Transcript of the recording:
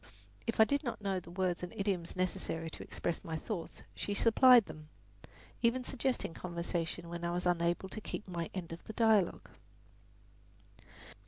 If I did not know the words and idioms necessary to express my thoughts she supplied them, even suggesting conversation when I was unable to keep up my end of the dialogue.